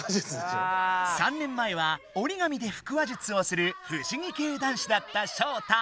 ３年前はおりがみで腹話術をするふしぎ系男子だったショウタ。